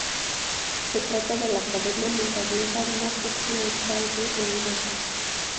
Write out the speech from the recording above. Se trata de la cadena montañosa más occidental de Europa.